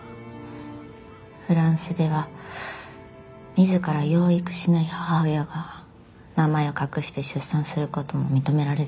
フランスでは自ら養育しない母親が名前を隠して出産する事も認められてるんだよ。